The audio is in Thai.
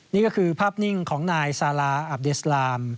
นี่ก็คือภาพนิ่งของนายซาลาอับเดสลาม